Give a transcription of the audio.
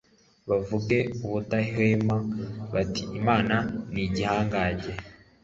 bavuge ubudahwema bati Imana ni igihangange»